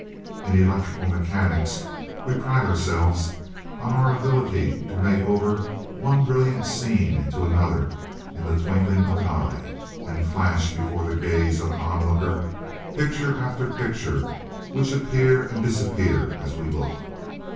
In electrical mechanics we pride ourselves on our ability to make over one brilliant scene into another in the twinkling of an eye, and flash before the gaze of an onlooker picture after picture, which appear and disappear as we look.